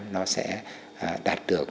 nó sẽ đạt được